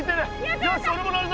よしおれも乗るぞ！